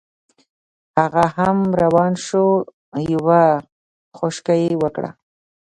هغه هم روان شو یوه خوشکه یې وکړه.